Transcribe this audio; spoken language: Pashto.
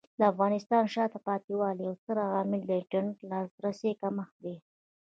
د افغانستان د شاته پاتې والي یو ستر عامل د انټرنیټ لاسرسي کمښت دی.